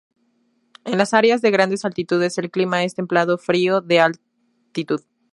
En las áreas de grandes altitudes el clima es templado frio de altitud.